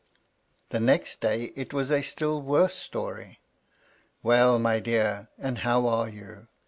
The next day it was a still worse story. " Well, my dear ! and how are you?